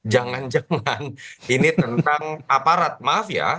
jangan jangan ini tentang aparat mafia